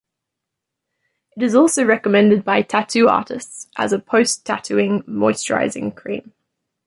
It is also recommended by tattoo artists as a post-tattooing moisturising cream.